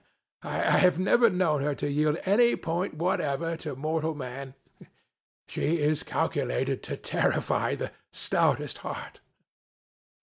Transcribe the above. I have never known her to yield any point whatever, to mortal man. She is calculated to terrify the stoutest heart.